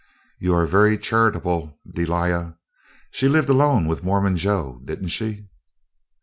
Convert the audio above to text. "You are very charitable, Delia. She lived alone with Mormon Joe, didn't she?"